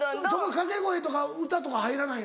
掛け声とか歌とか入らないの？